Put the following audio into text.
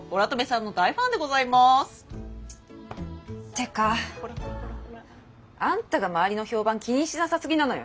てかあんたが周りの評判気にしなさすぎなのよ。